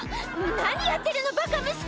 何やってるのバカ息子！」